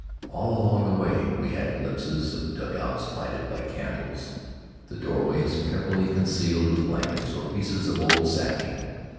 All along the way we had glimpses of dugouts lighted by candles, the doorways carefully concealed with blankets or pieces of old sacking.